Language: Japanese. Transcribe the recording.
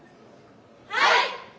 はい！